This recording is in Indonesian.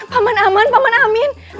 peman aman peman amin